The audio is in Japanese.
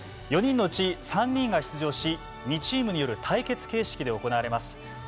４人のうち３人が出場し２チームによる対決形式で行われます。